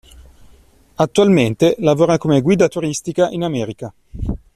Attualmente lavora come guida turistica in America.